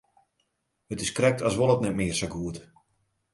It is krekt as wol it net mear sa goed.